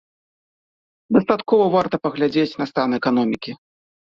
Дастаткова варта паглядзець на стан эканомікі.